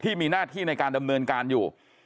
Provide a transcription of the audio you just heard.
ที่มีหน้าที่ในการดำเนินการอยู่